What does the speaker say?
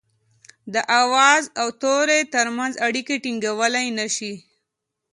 د آواز او توري ترمنځ اړيکي ټيڼګولای نه شي